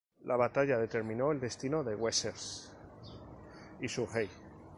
La batalla determinó el destino de Wessex y su rey.